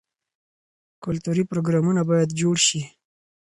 کلتوري پروګرامونه باید جوړ شي.